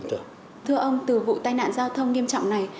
thưa ông từ vụ tai nạn giao thông nghiêm trọng này